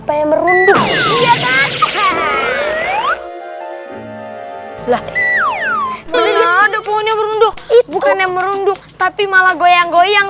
pohonnya merunduk lah ada pohonnya merunduk bukan yang merunduk tapi malah goyang goyang